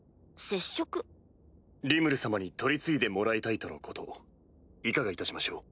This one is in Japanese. リムル様に取り次いでもらいたいとのこといかがいたしましょう？